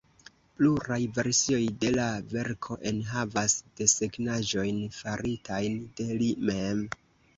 Pluraj versioj de la verko enhavas desegnaĵojn faritajn de li mem.